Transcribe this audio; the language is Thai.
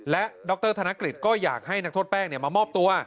และดรธนกฤษก็อยากให้นักโทษแป้งมามอบตัว